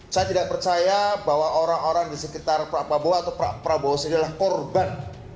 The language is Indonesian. saya tidak percaya bahwa orang orang di sekitar prabowo atau prabowo sendirilah korban